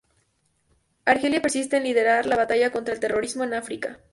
Argelia persiste en liderar la batalla contra el terrorismo en África.